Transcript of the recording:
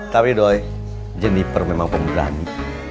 tapi doi jeniper memang pemberani